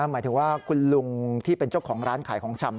หมายถึงว่าคุณลุงที่เป็นเจ้าของร้านขายของชำ